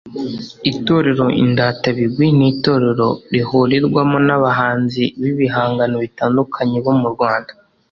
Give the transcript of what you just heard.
Itorero Indatabigwi n’Itorero rihurirwamo n’abahanzi b’ibihangano bitandukanye bo mu Rwanda